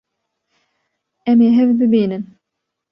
Em ê hev bibînin.